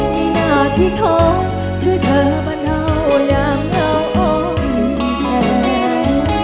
มีหน้าที่ขอช่วยเธอบรรเทาอย่างเงาออกหนีแทน